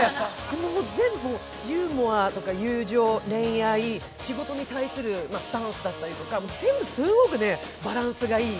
全部ユーモアとか友情、恋愛、仕事に対するスタンスだったり、全部すごくバランスがいい。